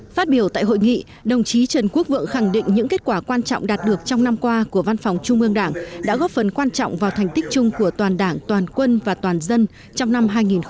phát biểu tại hội nghị đồng chí trần quốc vượng khẳng định những kết quả quan trọng đạt được trong năm qua của văn phòng trung ương đảng đã góp phần quan trọng vào thành tích chung của toàn đảng toàn quân và toàn dân trong năm hai nghìn một mươi tám